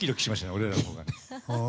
俺らのほうが。